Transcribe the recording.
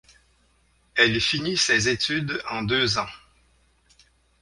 Elle finit ses études en deux ans.